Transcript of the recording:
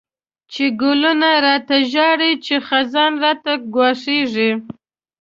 چی ګلونه ړاته ژاړی، چی خزان راته ګواښيږی